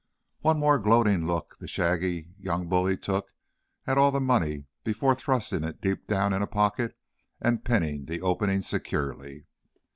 One more gloating look the shaggy young bully took at all that money, before thrusting it deep down in a pocket and pinning the opening securely.